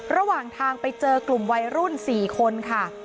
ระหว่างทางไปเจอกลุ่มวัยรุ่น๔คนค่ะ